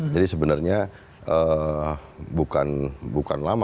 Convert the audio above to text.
jadi sebenarnya bukan lama